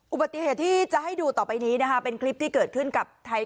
อุบัติเหตุที่จะให้ดูต่อไปนี้นะคะเป็นคลิปที่เกิดขึ้นกับไทย